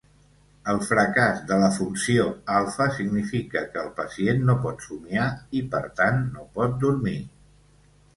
El fracàs de la funció alfa significa que el pacient no pot somiar i, per tant, no pot dormir.